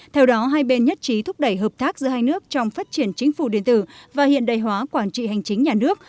theo đó hai bên nhất trí thúc đẩy hợp tác giữa hai nước trong phát triển chính phủ điện tử và hiện đại hóa quản trị hành chính nhà nước